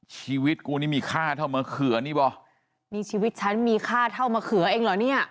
ชีวิตกูนี่มีค่าเท่ามะเขือนี่บอกนี่ชีวิตฉันมีค่าเท่ามะเขือเองเหรอเนี่ย